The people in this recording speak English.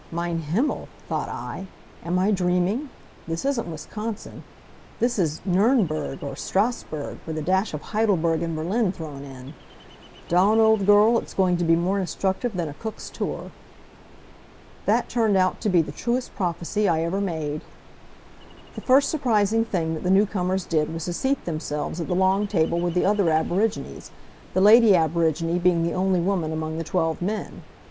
"Mein Himmel!" thought I. "Am I dreaming? This isn't Wisconsin. This is Nurnberg, or Strassburg, with a dash of Heidelberg and Berlin thrown in. Dawn, old girl, it's going to be more instructive than a Cook's tour." That turned out to be the truest prophecy I ever made. The first surprising thing that the new comers did was to seat themselves at the long table with the other aborigines, the lady aborigine being the only woman among the twelve men.